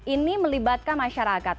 ini melibatkan masyarakat